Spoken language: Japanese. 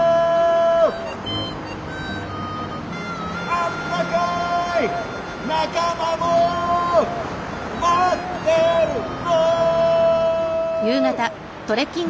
あったかい仲間も待ってるぞ！